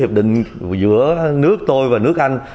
hiệp định giữa nước tôi và nước anh